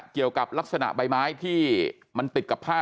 เกี่ยวกับลักษณะใบไม้ที่มันติดกับผ้า